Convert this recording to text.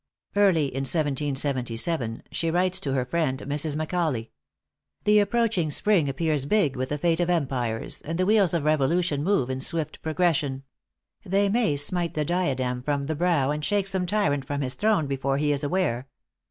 Early in 1777 she writes to her friend, Mrs. Macaulay: "The approaching spring appears big with the fate of empires, and the wheels of revolution move in swift progression. They may smite the diadem from the brow, and shake some tyrant from his throne before he is aware.